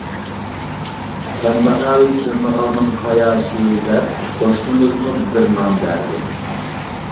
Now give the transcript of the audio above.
كەمبەغەل كەمبەغەلنىڭ قاياشى دەپ قوشنىمىزمۇ بىر نان بەردى.